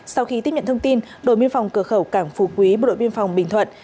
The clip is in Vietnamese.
sau khi tiếp nhận thông tin đội biên phòng cửa khẩu cảng phú quý bộ đội biên phòng bình thuận